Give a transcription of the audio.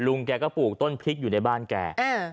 แกก็ปลูกต้นพริกอยู่ในบ้านแก